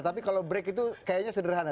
tapi kalau break itu kayaknya sederhana